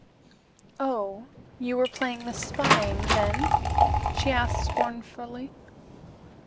"Oh, you were playing the spy, then?" she asked scornfully.